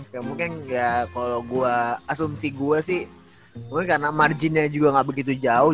ya mungkin ya kalau gue asumsi gue sih mungkin karena marginnya juga nggak begitu jauh